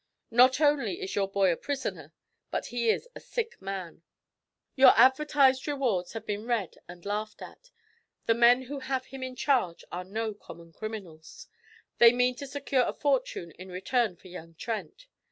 'Not only is your boy a prisoner, but he is a sick man. Your advertised rewards have been read and laughed at. The men who have him in charge are no common criminals. They mean to secure a fortune in return for young Trent.